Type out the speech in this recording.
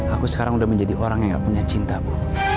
aku sekarang udah menjadi orang yang gak punya cinta bu